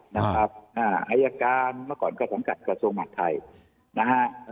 นะครับใครอยากการเมื่อก่อนก็สังกัดกระทรวงมหังไทยนะฮะ